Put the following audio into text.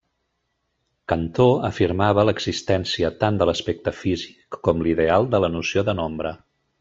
Cantor afirmava l’existència tant de l’aspecte físic com l’ideal de la noció de nombre.